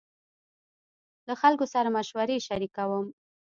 له خلکو سره مشورې شريکوم.